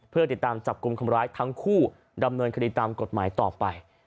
เพื่อติดตามจับกลุ่มคนร้ายทั้งคู่ดำเนินคดีตามกฎหมายต่อไป